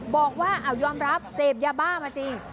บอกว่ายอมรับเสพยาบ้ามาจริง